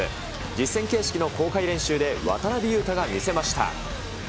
実戦形式の公開練習で渡邊雄太が見せました。